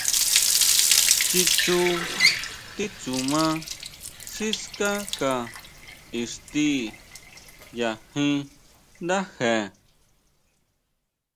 Chitsú titsuma sikáka ixti ya jín ndáje.